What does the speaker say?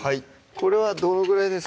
これはどのぐらいですか？